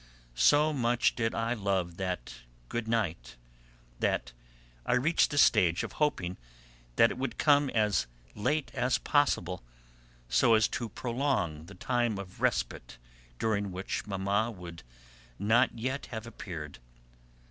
So much did I love that good night that I reached the stage of hoping that it would come as late as possible, so as to prolong the time of respite during which Mamma would not yet have appeared.